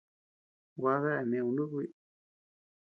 Gua dea neu nuku biʼi.